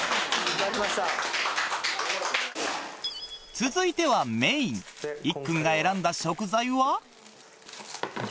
続いてはいっくんが選んだ食材は？